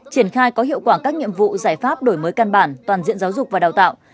triển khai có hiệu quả các nhiệm vụ giải pháp đổi mới căn bản toàn diện giáo dục và đào tạo